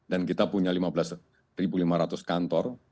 dan kita punya lima belas lima ratus kantor